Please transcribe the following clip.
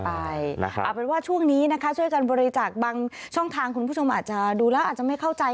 เอาเป็นว่าช่วงนี้นะคะช่วยกันบริจาคบางช่องทางคุณผู้ชมอาจจะดูแล้วอาจจะไม่เข้าใจ